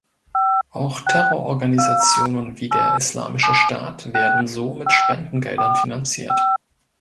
Auch Terrororganisationen wie der Islamische Staat werden so mit Spendengeldern finanziert.